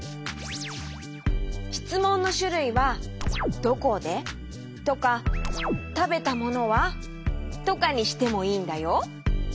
しつもんのしゅるいは「どこで？」とか「たべたものは？」とかにしてもいいんだよ。